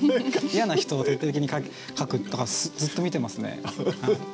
嫌な人を徹底的に書くとかずっと見てますね。